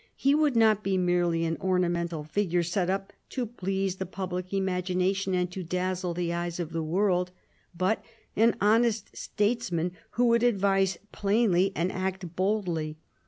He would not be merely an ornamental figure, set up " to please the public imagination and to dazzle the eyes of the world," but an honest states man who would advise plainly and act boldly.